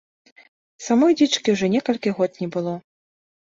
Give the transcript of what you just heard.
Самой дзічкі ўжо некалькі год не было.